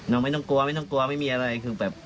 น้องไม่ต้องกลัวไม่ต้องกลัวไม่มีอะไร